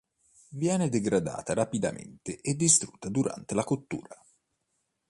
Viene degradata rapidamente e distrutta durante la cottura.